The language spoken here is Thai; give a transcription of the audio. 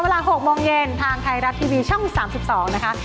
เวลา๖โมงเย็นทางไทยรัฐทีวีช่อง๓๒นะคะ